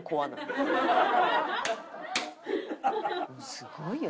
すごいよ。